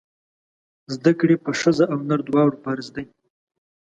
زده کړې په ښځه او نر دواړو فرض دی!